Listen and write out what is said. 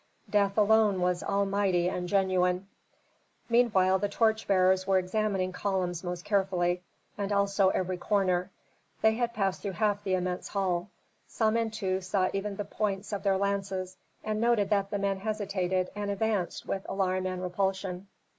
Death alone was all mighty and genuine. Meanwhile the torch bearers were examining columns most carefully, and also every corner; they had passed through half the immense hall. Samentu saw even the points of their lances, and noted that the men hesitated and advanced with alarm and repulsion.